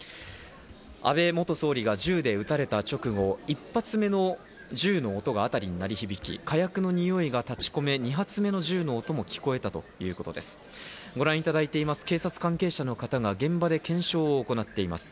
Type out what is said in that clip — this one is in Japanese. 安倍元総理が銃で撃たれた直後、１発目の銃の音が辺りに鳴り響き、火薬のにおいが立ち込め、２発目の銃の音も聞こえたということです。